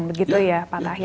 begitu ya pak tahir